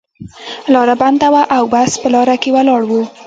لاره بنده وه او بس په لار کې ولاړ و.